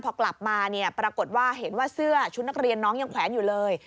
พอกลับมาเนี่ยปรากฏว่าเห็นว่าเสื้อชุดนักเรียนน้องยังแขวนอยู่เลย